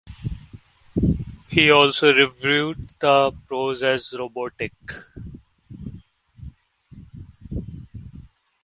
He also reviewed the prose as "robotic".